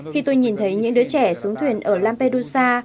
khi tôi nhìn thấy những đứa trẻ xuống thuyền ở lampedusa